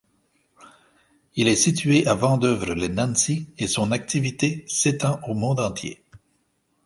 Il est situé à Vandœuvre-lès-Nancy et son activité s’étend au monde entier.